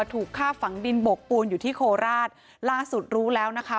ถูกฆ่าฝังดินบกปูนอยู่ที่โคราชล่าสุดรู้แล้วนะคะ